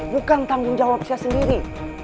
bukan tanggung jawab saya sendiri